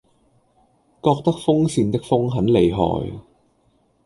覺得風扇的風很厲害